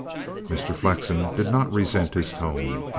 Mr. Flexen did not resent his tone.